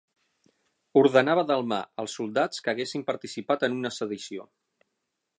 Ordenava delmar als soldats que haguessin participat en una sedició.